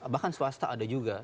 bahkan swasta ada juga